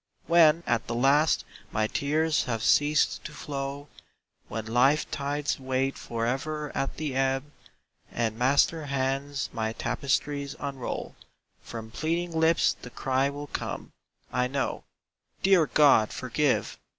When at the last my tears have ceased to flow, When life tides wait forever at the ebb, And Master hands my tapestries unroll, From pleading lips the cry will come, I know: "Dear God, forgive!